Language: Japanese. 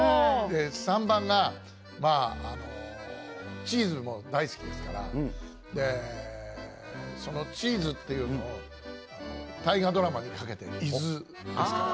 ３番がチーズも大好きですからそのチーズっていうのを大河ドラマにかけて伊豆ですから。